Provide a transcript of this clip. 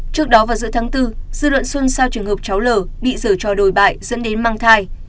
trước đó vào giữa tháng bốn dư luận xuân sau trường hợp cháu l bị dở trò đồi bại dẫn đến mang thai